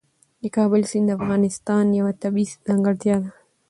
د کابل سیند د افغانستان یوه طبیعي ځانګړتیا ده.